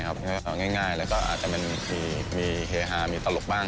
แบบแมวอยสบายครับง่ายแล้วก็อาจจะมีเฮฮามีตลกบ้าง